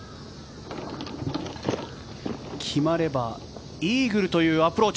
決まればイーグルというアプローチ。